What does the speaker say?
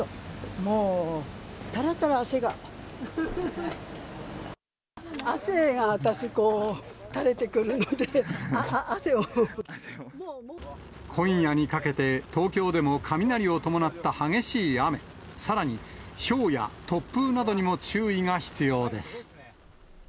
もう、たらた汗が私、こう、たれてくるの今夜にかけて、東京でも雷を伴った激しい雨、さらに、ひょうや突風などにも注意が必要です。